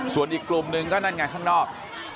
ส่วนอีกกลุ่มหนึ่งก็นั่นไงข้างนอก